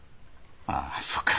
ああそうか。